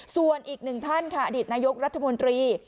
ส่วนอีกหนึ่งท่านค่ะอดีตนายกรัฐมนตรี